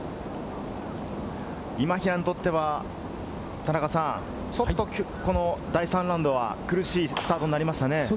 今平にとってはちょっと第３ラウンドは苦しいスタートになりましたね。